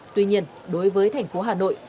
tuy nhiên đối với thành phố hà nội